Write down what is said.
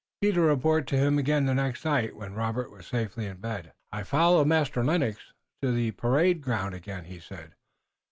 Peter reported to him again the next night, when Robert was safely in bed. "I followed Master Lennox to the parade ground again," he said.